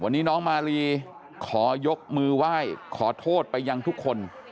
วันนี้น้องมาลีขอยกมือไหว้ขอโทษไปยังทุกคน